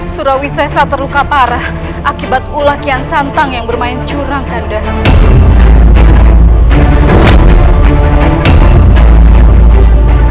surawisesa terluka parah akibat ulakian santang yang bermain curang kandang